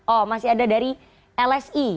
oh masih ada dari lsi